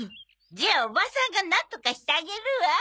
じゃあおばさんがなんとかしてあげるわ。